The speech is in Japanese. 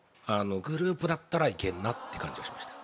グループだったらいけるなっていう感じがしました。